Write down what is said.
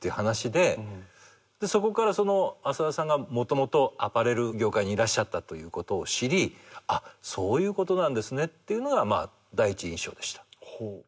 でそこから浅田さんがもともとアパレル業界にいらっしゃったということを知りそういうことなんですねっていうのが第一印象でした。